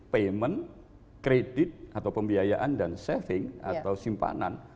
payment kredit atau pembiayaan dan saving atau simpanan